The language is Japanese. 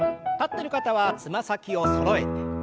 立ってる方はつま先をそろえて。